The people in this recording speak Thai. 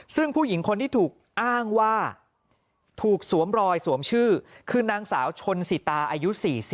ซึ่งผู้หญิงคนที่ถูกอ้างว่าถูกสวมรอยสวมชื่อคือนางสาวชนสิตาอายุ๔๐